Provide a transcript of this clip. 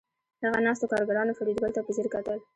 هلته ناستو کارګرانو فریدګل ته په ځیر کتل